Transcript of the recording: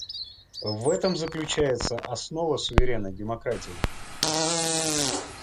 В этом заключается основа суверенной демократии.